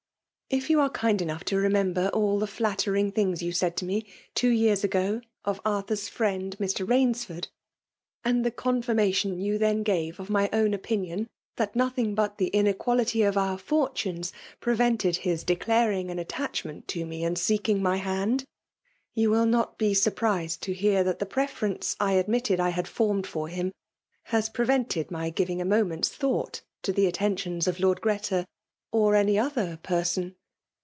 '' If you are kind enough to remember all the flattering thrngs you said to me two years ago of Arthur's friend, Mr. Sainsford, and the confirmation 240 FKKJkLE : BOMtKXVBBK. you then ^me oC my owm opmkm tli«iii0thnig but the inequality of our fertunes pieveatod bis declaring an attachment to me and seek ing my hand, you wiU not be Burprised to hear that the preference I admitted I had formed fi»r him> has prevented my giving a raomelll^i thought to the attentions of Lord Greta or any other person."